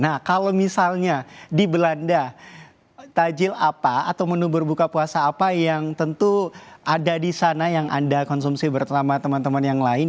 nah kalau misalnya di belanda tajil apa atau menu berbuka puasa apa yang tentu ada di sana yang anda konsumsi bersama teman teman yang lain